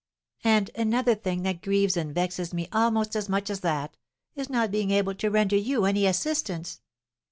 And another thing that grieves and vexes me almost as much as that, is not being able to render you any assistance.